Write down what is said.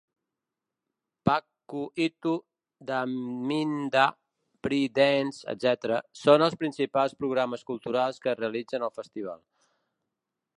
Pakhu-Itu, Daminda, Pree dance, etc., són els principals programes culturals que es realitzen al festival.